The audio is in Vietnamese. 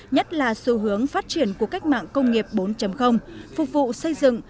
nhất là xu hướng phát triển của cách mạng công nghiệp bốn phục vụ xây dựng